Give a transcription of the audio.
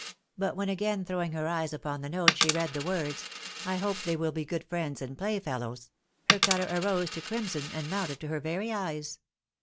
But when again throwing her eyes upon the note, she read the words, "I hope they ■will be good friends and playfellows," her colour arose to crimson, and mounted to her very eyes.